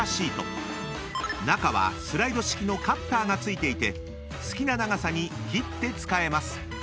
［中はスライド式のカッターが付いていて好きな長さに切って使えます］